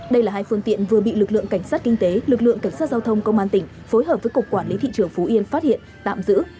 đây là hai phương tiện vừa bị lực lượng cảnh sát kinh tế lực lượng cảnh sát giao thông công an tỉnh phối hợp với cục quản lý thị trường phú yên phát hiện tạm giữ